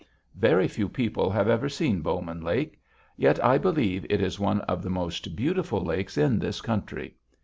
Very few people have ever seen Bowman Lake. Yet I believe it is one of the most beautiful lakes in this country.